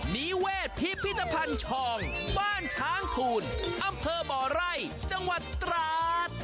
นิเวศพิพิธภัณฑ์ชองบ้านช้างคูณอำเภอบ่อไร่จังหวัดตราด